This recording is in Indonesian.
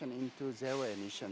menjadi masa depan zero emission